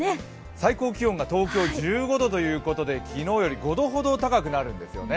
最高気温が東京１５度ということで、昨日より５度ほど高くなるんですよね。